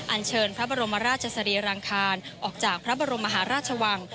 อันเชิญพระบรมราชสรีรางคารออกจากพระบรมมหาราชวัง